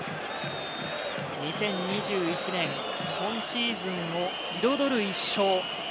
２０２１年、今シーズンの彩る１勝。